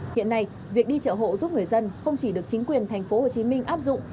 hiện nay việc đi chợ hộ giúp người dân không chỉ được chính quyền tp hcm áp dụng